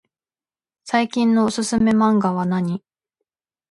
最近のおすすめマンガはなに？